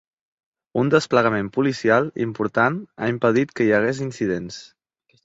Un desplegament policial important ha impedit que hi hagués incidents.